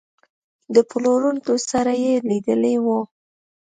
د پلورونکو سره یې لیدلي وو.